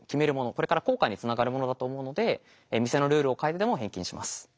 これから後悔につながるものだと思うので店のルールを変えてでも返金します。